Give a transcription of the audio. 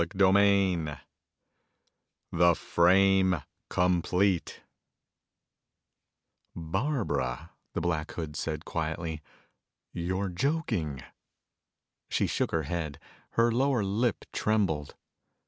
CHAPTER XI The Frame Complete "Barbara," Black Hood said quietly, "you're joking!" She shook her head. Her lower lip trembled.